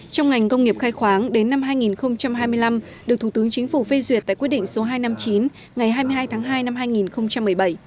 trong ngành công nghiệp khai khoáng đến năm hai nghìn hai mươi năm được thủ tướng chính phủ phê duyệt tại quyết định số hai trăm năm mươi chín ngày hai mươi hai tháng hai năm hai nghìn một mươi bảy